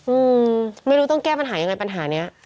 อืมไม่รู้ต้องแก้ปัญหายังไงปัญหาเนี้ย